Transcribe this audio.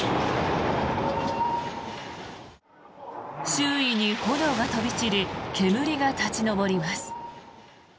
周囲に炎が飛び散り煙が立ち上ります。